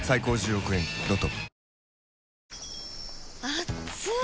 あっつい！